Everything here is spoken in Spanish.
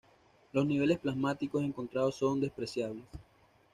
Los niveles plasmáticos encontrados son despreciables.